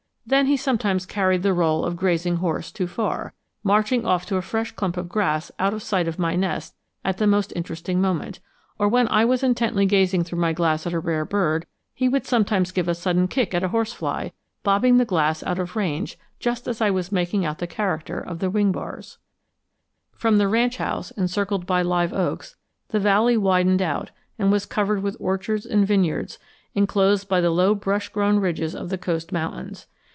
Then he sometimes carried the rôle of grazing horse too far, marching off to a fresh clump of grass out of sight of my nest at the most interesting moment; or when I was intently gazing through my glass at a rare bird, he would sometimes give a sudden kick at a horsefly, bobbing the glass out of range just as I was making out the character of the wing bars. [Illustration: OUR VALLEY] From the ranch house, encircled by live oaks, the valley widened out, and was covered with orchards and vineyards, inclosed by the low brush grown ridges of the Coast Mountains.